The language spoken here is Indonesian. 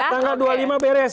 tanggal dua puluh lima beres